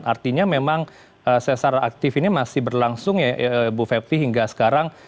artinya memang sesar aktif ini masih berlangsung ya ibu fepti hingga sekarang